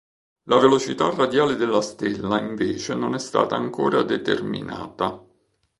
La velocità radiale della stella invece non è stata ancora determinata.